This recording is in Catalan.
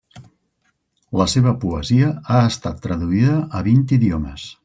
La seva poesia ha estat traduïda a vint idiomes.